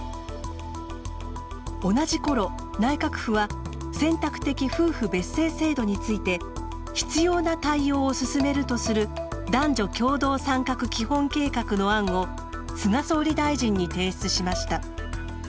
同じころ内閣府は選択的夫婦別姓制度について「必要な対応を進める」とする男女共同参画基本計画の案を菅総理大臣に提出しました。